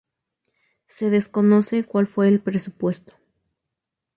Se desconoce cuál fue el presupuesto.